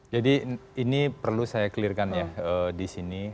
jadi ini perlu saya clearkan ya disini